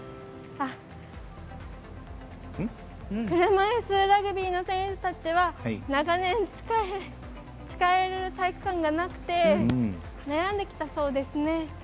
車いすラグビーの選手たちは長年、使える体育館がなくて悩んできたそうですね。